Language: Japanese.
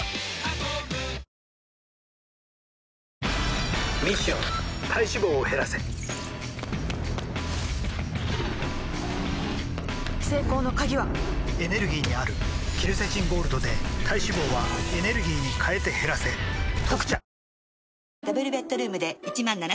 ミッション体脂肪を減らせ成功の鍵はエネルギーにあるケルセチンゴールドで体脂肪はエネルギーに変えて減らせ「特茶」